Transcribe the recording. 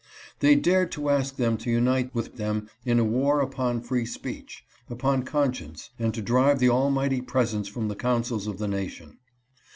They dared to ask them to unite with them in a war upon free speech, upon con science, and to drive the Almighty presence from the councils of the nation.